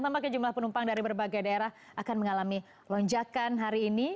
tampaknya jumlah penumpang dari berbagai daerah akan mengalami lonjakan hari ini